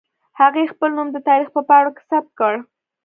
هغې خپل نوم د تاریخ په پاڼو کې ثبت کړ